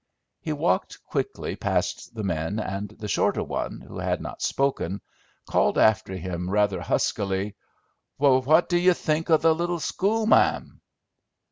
He walked quickly past the men, and the shorter one, who had not spoken, called after him rather huskily, "W what do you think of the little school ma'am?"